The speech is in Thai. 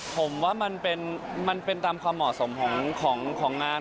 ผมว่ามันเป็นตามความเหมาะสมของงาน